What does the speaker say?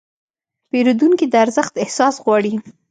پیرودونکي د ارزښت احساس غواړي.